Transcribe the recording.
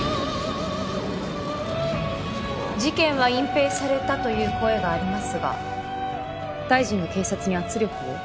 事件は隠蔽されたという声がありますが大臣が警察に圧力を？